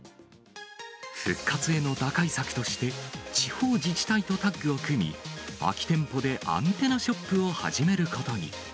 復活への打開策として、地方自治体とタッグを組み、空き店舗でアンテナショップを始めることに。